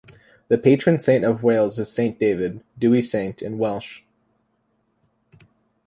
The patron saint of Wales is Saint David, "Dewi Sant" in Welsh.